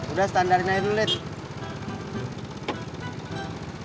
udah standarnya ini lita